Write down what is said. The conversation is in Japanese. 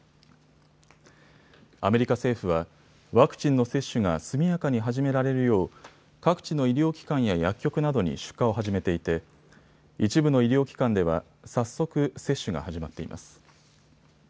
アメリカ政府はワクチンの接種が速やかに始められるよう各地の医療機関や薬局などに出荷を始めていて一部の医療機関では早速、接種が始まっています。